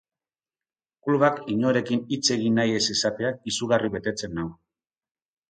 Klubak inorekin hitz egin nahi ez izateak izugarri betetzen nau.